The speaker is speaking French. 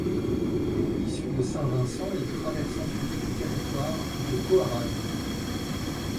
Issu de Saint-Vincent, il traverse ensuite le territoire de Coarraze.